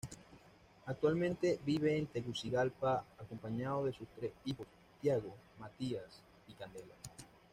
Actualmente vive en Tegucigalpa, acompañado de sus tres hijos, Thiago, Matías y Candela.